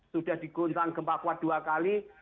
sudah diguncang gempa kuat dua kali